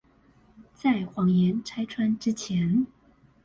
在謊言拆穿之前